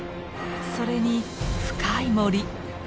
それに深い森。